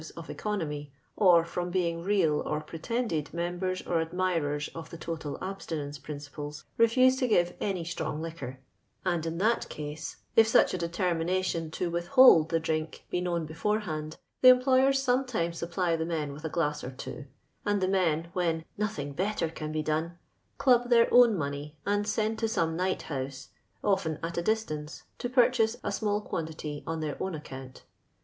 »s of econ omy, or from being real or pretended members or admirers of the total abstinence principles, refuse to give ny strong liquor, and in that case— >if snefa a ckftermination to withhold the drink be known bcrforehand — the employers sometimes supply the men with a glass or two ; and the men, when nothing better ean be done," elab their own money, and send to some night honse, often at a distance, to purchase a small quantity on their own account.